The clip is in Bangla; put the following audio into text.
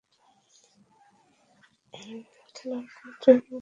ঐ খেলার একমাত্র ইনিংসে অর্ধ-শতক করেছিলেন।